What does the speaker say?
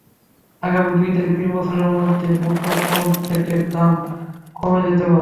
আগামী দুই থেকে তিন বছরের মধ্যে মুঠোফোন সেটের দাম কমে যেতে পারে।